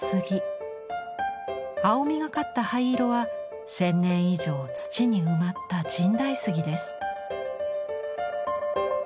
青みがかった灰色は１，０００年以上土に埋まった神代杉です。